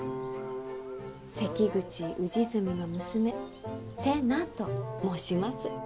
関口氏純の娘瀬名と申します。